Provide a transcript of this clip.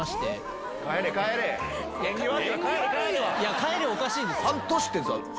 「帰れ！」はおかしいですよ。